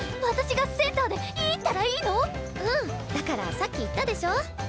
私がセンターでいいったらいいの⁉うんだからさっき言ったでしょ。